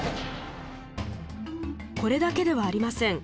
これだけではありません。